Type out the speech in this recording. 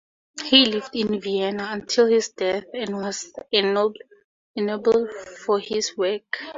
He lived in Vienna until his death, and was ennobled for his work.